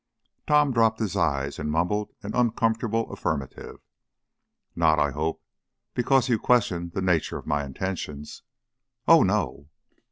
Tom dropped his eyes and mumbled an uncomfortable affirmative. "Not, I hope, because you question the nature of my intentions?" "Oh no!"